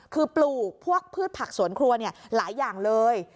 คือปลูกพวกพืชผักสวนครัวหลายอย่างเลย